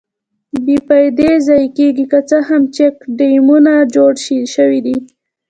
بې فایدې ضایع کېږي، که څه هم چیک ډیمونه جوړ شویدي.